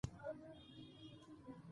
له قضا پر یوه کلي برابر سو